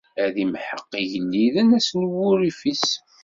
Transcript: Ad imḥeq igelliden ass n wurrif-is.